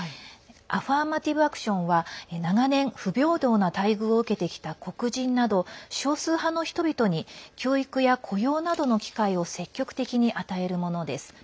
アファーマティブ・アクションは長年、不平等な待遇を受けてきた黒人など少数派の人々に教育や雇用などの機会を積極的に与えるものです。